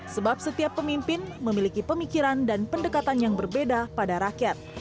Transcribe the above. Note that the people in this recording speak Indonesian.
sebab setiap pemimpin memiliki pemikiran dan pendekatan yang berbeda pada rakyat